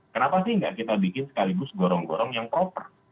kenapa sih nggak kita bikin sekaligus gorong gorong yang proper